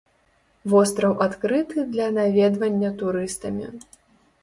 Востраў адкрыты для наведвання турыстамі.